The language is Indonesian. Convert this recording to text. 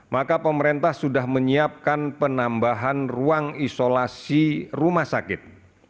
maka pemerintah sudah menyiapkan penambahan ruang isolasi rumah sakit